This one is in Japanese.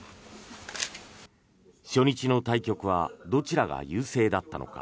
初日の対局はどちらが優勢だったのか。